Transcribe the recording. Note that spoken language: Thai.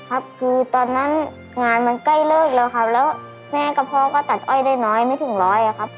ครับคือตอนนั้นงานมันใกล้เลิกแล้วครับแล้วแม่กับพ่อก็ตัดอ้อยได้น้อยไม่ถึงร้อยอะครับ